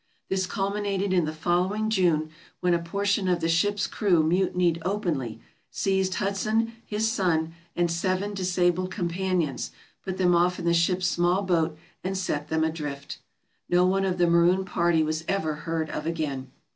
This culminated in the following June, when a portion of the ship's crew mutinied openly, seized Hudson, his son, and seven disabled companions, put them off in the ship's small boat and set them adrift. No one of the marooned party was ever heard of again.